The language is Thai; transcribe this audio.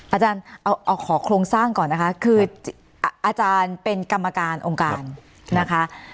อาจารย์เอาขอโครงสร้างก่อนนะคะคืออาจารย์เป็นกรรมการองค์การนะคะ